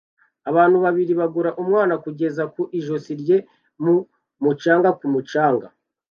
Abantu babiri bagura umwana kugeza ku ijosi rye mu mucanga ku mucanga